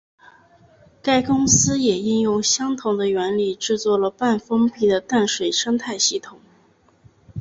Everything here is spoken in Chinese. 该公司也应用相同的原理制作了半封闭的淡水生态系统。